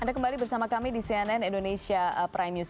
anda kembali bersama kami di cnn indonesia prime news